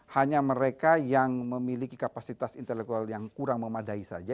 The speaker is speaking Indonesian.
hanya mereka yang memiliki kapasitas intelektual yang kurang memadai saja